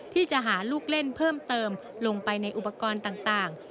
ที่จะหาลูกเล่นเพิ่มเติมลงไปในอุปกรณ์ต่าง